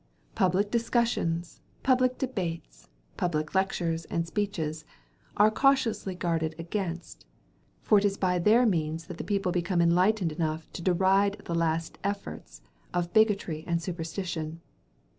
Public discussions, public debates, public lectures and speeches, are cautiously guarded against; for it is by their means that the people become enlightened enough to deride the last efforts of bigotry and superstition.